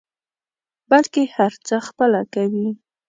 بلکې هر څه خپله کوي.